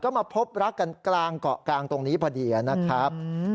ก็มาพบรักกันกลางเกาะกลางตรงนี้พอดีนะครับ